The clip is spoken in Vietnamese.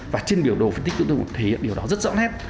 và trên biểu đồ phân tích chúng tôi cũng thấy điều đó rất rõ nét